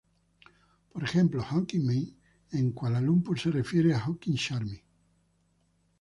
Por ejemplo, "hokkien mee" en Kuala Lumpur se refiere a "hokkien char mee".